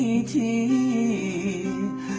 สิบสามชีวิตจนบ้านนี้ยังหาไม่เจอ